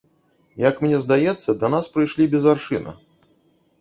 Як мне здаецца, да нас прыйшлі без аршына.